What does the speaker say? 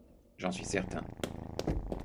J’en suis certain.